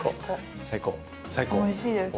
おいしいです。